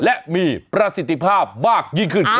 และมีประสิทธิภาพมากยิ่งขึ้น